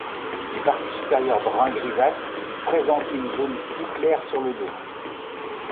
Les parties supérieures brun grisâtre présentent une zone plus claire sur le dos.